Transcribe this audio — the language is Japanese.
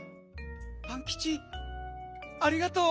パンキチありがとう。